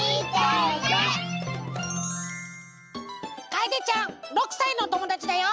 かえでちゃん６さいのおともだちだよ！